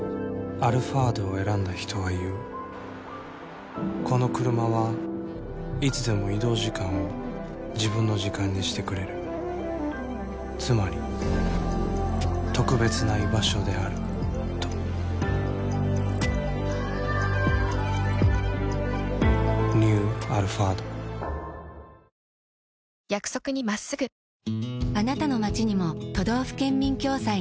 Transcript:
「アルファード」を選んだ人は言うこのクルマはいつでも移動時間を自分の時間にしてくれるつまり特別な居場所であるとニュー「アルファード」パパビール買ってきたよ新しいの。